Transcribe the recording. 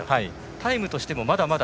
タイムとしてもまだまだ。